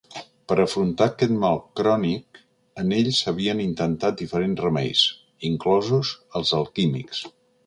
Per afrontar aquest mal crònic en ell s'havien intentat diferents remeis, inclosos els alquímics.